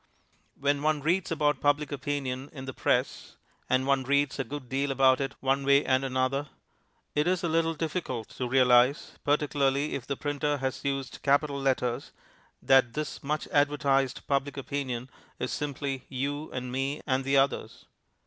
When one reads about Public Opinion in the press (and one reads a good deal about it one way and another), it is a little difficult to realize, particularly if the printer has used capital letters, that this much advertised Public Opinion is simply You and Me and the Others.